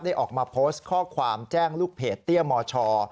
ออกมาโพสต์ข้อความแจ้งลูกเพจเตี้ยมช